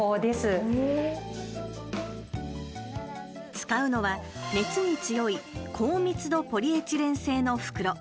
使うのは、熱に強い高密度ポリエチレン製の袋。